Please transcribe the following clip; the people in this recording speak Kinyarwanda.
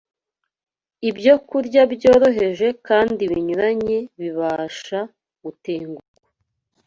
Ibyokurya byoroheje kandi binyuranye bibasha gutegurwa